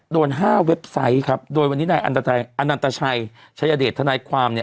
โดน๕เว็บไซต์ครับโดยวันนี้นายอันนันตชัยชัยเดชทนายความเนี่ย